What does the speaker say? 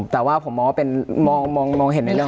แต่ว่าผมมองว่าเป็นมองเห็นในเรื่อง